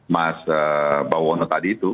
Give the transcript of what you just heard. mas bawono tadi itu